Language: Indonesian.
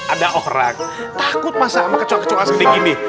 ada orang takut masa sama kecowa kecowaan segini